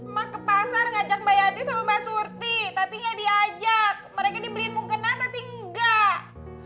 mak ke pasar ngajak mbak yati sama mbak surti tapi nggak diajak mereka dibeliin mukena tapi enggak